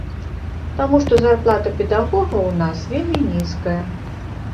Таму што зарплата педагогаў у нас вельмі нізкая.